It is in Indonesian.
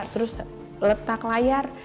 terus letak layar